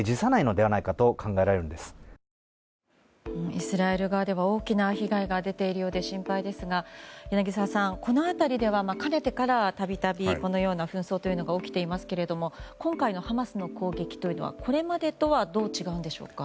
イスラエル側では大きな被害が出ているようで心配ですが柳澤さん、この辺りではかねてからたびたびこのような紛争が起きていますが今回のハマスの攻撃というのはこれまでとはどう違うんでしょうか？